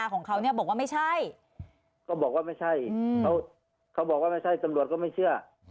ก็บอกว่าไม่ใช่จำลวดก็ไม่เชื่อ